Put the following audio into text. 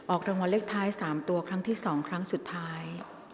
รางวัลเลขท้าย๓ตัวครั้งที่๒ครั้งสุดท้าย